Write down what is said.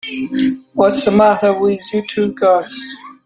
What's the matter with you two guys?